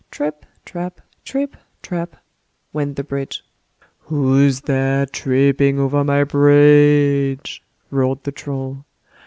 "Trip, trap; trip, trap!" went the bridge. "WHO'S THAT tripping over my bridge?" roared the Troll.